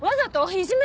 いじめ？